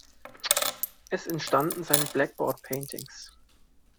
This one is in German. Es entstanden seine Blackboard-Paintings.